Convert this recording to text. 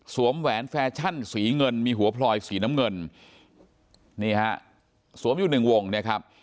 แหวนแฟชั่นสีเงินมีหัวพลอยสีน้ำเงินนี่ฮะสวมอยู่หนึ่งวงนะครับ